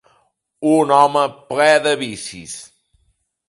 Un home ple de vicis.